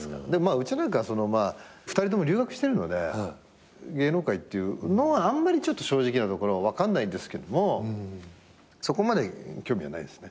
うちなんか２人とも留学してるので芸能界っていうのは正直なところ分かんないんですけどもそこまで興味はないですね。